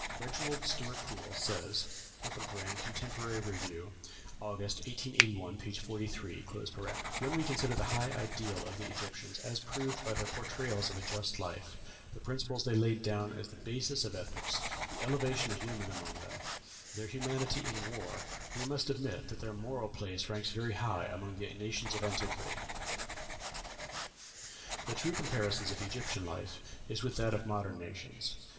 Reginald Stuart Poole says (Contemporary Review, August, 1881, p. 43): "When we consider the high ideal of the Egyptians, as proved by their portrayals of a just life, the principles they laid down as the basis of ethics, the elevation of women among them, their humanity in war, we must admit that their moral place ranks very high among the nations of antiquity. "The true comparison of Egyptian life is with that of modern nations.